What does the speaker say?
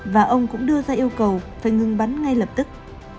và ông cũng đưa ra yêu cầu phải ngừng bắn ngay lập tức